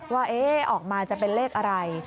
ว่าออกมาจะเป็นเลขอะไร